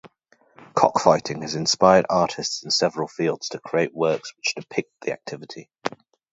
Cockfighting has inspired artists in several fields to create works which depict the activity.